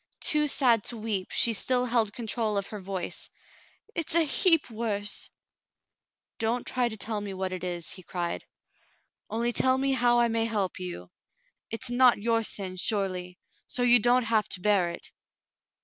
Too sad to weep, she still held control of her voice. "It's a heap worse —" "Don't try to tell me what it is," he cried. "Only tell me how I may help you. It's not your sin, surely, so you don't have to bear it."